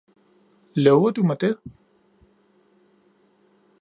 Lover du mig det?